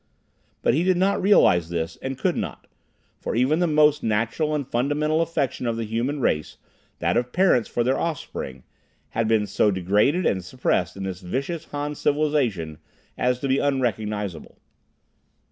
But he did not realize this, and could not; for even the most natural and fundamental affection of the human race, that of parents for their offspring, had been so degraded and suppressed in this vicious Han civilization as to be unrecognizable.